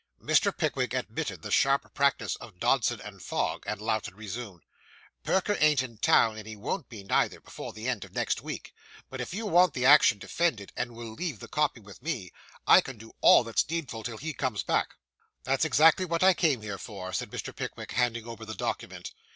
Mr. Pickwick admitted the sharp practice of Dodson and Fogg, and Lowten resumed. 'Perker ain't in town, and he won't be, neither, before the end of next week; but if you want the action defended, and will leave the copy with me, I can do all that's needful till he comes back.' 'That's exactly what I came here for,' said Mr. Pickwick, handing over the document.